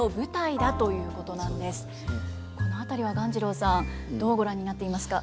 この辺りは鴈治郎さんどうご覧になっていますか。